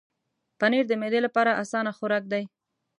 پنېر د معدې لپاره اسانه خوراک دی.